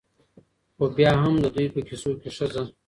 ؛ خو بيا هم د دوى په کيسو کې ښځه